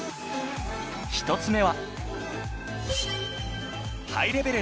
１つ目は